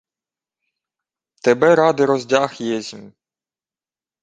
— Тебе ради роздяг єсмь.